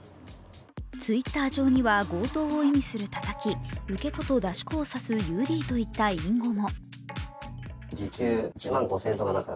Ｔｗｉｔｔｅｒ上には、強盗を意味する叩き、受け子と出し子を指すＵＤといった隠語も。